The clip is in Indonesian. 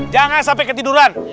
jangan sampai ketiduran